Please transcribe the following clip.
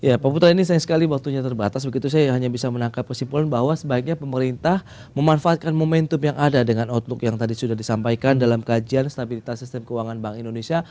ya pak putra ini sayang sekali waktunya terbatas begitu saya hanya bisa menangkap kesimpulan bahwa sebaiknya pemerintah memanfaatkan momentum yang ada dengan outlook yang tadi sudah disampaikan dalam kajian stabilitas sistem keuangan bank indonesia